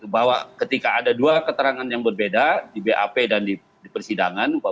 bahwa ketika ada dua keterangan yang berbeda di bap dan di persidangan